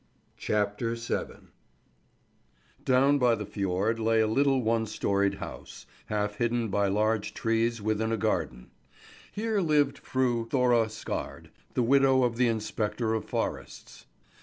CHAPTER VII DOWN by the fjord lay a little one storeyed house, half hidden by large trees within a garden. Here lived Fru Thora Skard, the widow of the inspector of forests.